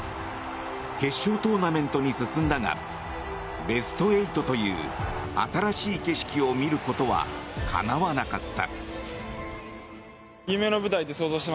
決勝トーナメントに進んだがベスト８という新しい景色を見ることはかなわなかった。